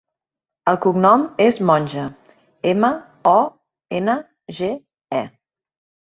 El cognom és Monge: ema, o, ena, ge, e.